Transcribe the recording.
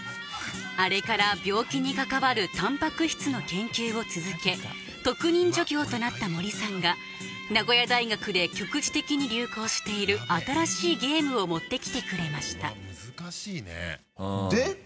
あれから病気に関わるタンパク質の研究を続け特任助教となった森さんが名古屋大学で局地的に流行している新しいゲームを持ってきてくれましたで？